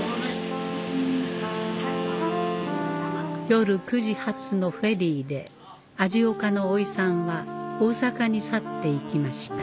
夜９時発のフェリーで味岡のおいさんは大阪に去って行きました